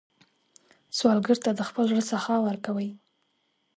سوالګر ته د خپل زړه سخا ورکوئ